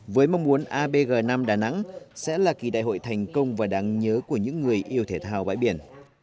với mong muốn abg năm đà nẵng sẽ là kỳ đại hội thành công và đáng nhớ của những người yêu thể thao bãi biển